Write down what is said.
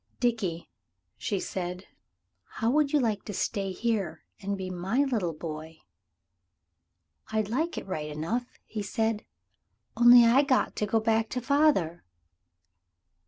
"Dickie," she said, "how would you like to stay here and be my little boy?" "I'd like it right enough," said he, "only I got to go back to father."